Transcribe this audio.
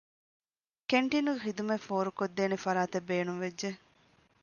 ކެންޓީނުގެ ޚިދުމަތް ފޯރުކޮށްދޭނެ ފަރާތެއް ބޭނުންވެއްޖެ